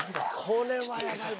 これはやばい。